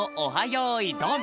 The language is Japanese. よいどん」。